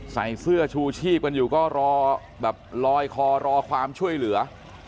ใส่เสื้อชูชีพกันอยู่ก็รอแบบลอยคอรอความช่วยเหลือ